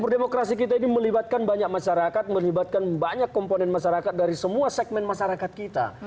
demokrasi kita ini melibatkan banyak masyarakat melibatkan banyak komponen masyarakat dari semua segmen masyarakat kita